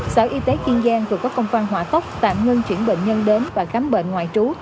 sở y tế kiên giang vừa có công văn hỏa tốc tạm ngưng chuyển bệnh nhân đến và khám bệnh ngoại trú